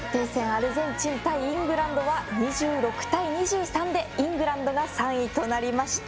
アルゼンチン対イングランドは２６対２３でイングランドが３位となりました。